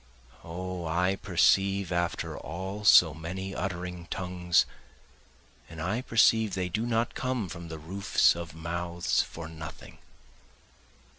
O I perceive after all so many uttering tongues, And I perceive they do not come from the roofs of mouths for nothing.